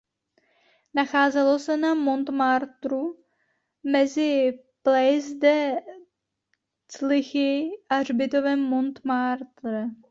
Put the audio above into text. Nacházelo se na Montmartru mezi "Place de Clichy" a hřbitovem Montmartre.